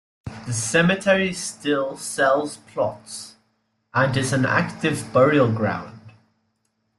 The cemetery still sells plots, and is an active burial ground.